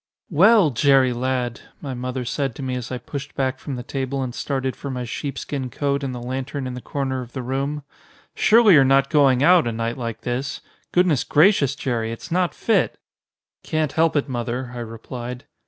"Well, Jerry, lad!" my mother said to me as I pushed back from the table and started for my sheepskin coat and the lantern in the corner of the room. "Surely you're not going out a night like this? Goodness gracious, Jerry, it's not fit!" "Can't help it, Mother," I replied.